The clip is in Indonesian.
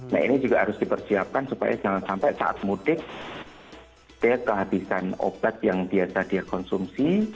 nah ini juga harus dipersiapkan supaya jangan sampai saat mudik dia kehabisan obat yang biasa dia konsumsi